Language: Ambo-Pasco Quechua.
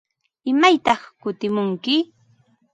¿Imaytaq kutimunki?